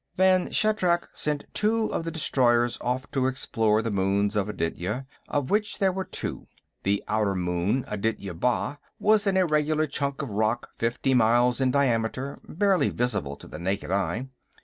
Vann Shatrak sent two of the destroyers off to explore the moons of Aditya, of which there were two. The outer moon, Aditya Ba', was an irregular chunk of rock fifty miles in diameter, barely visible to the naked eye.